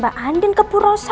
mbak andin ke bu rosa